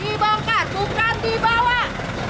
dibongkar bukan dibawa